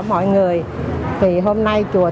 mọi người vì hôm nay chùa